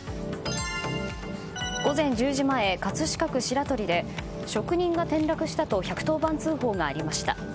午前１０時前、葛飾区白鳥で職人が転落したと１１０番通報がありました。